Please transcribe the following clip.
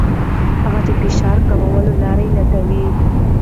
هغه د فشار کمولو لارې لټوي.